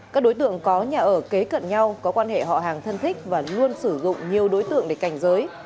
các đối tượng có nhà ở kế cận nhau có quan hệ họ hàng thân thích và luôn sử dụng nhiều đối tượng để cảnh giới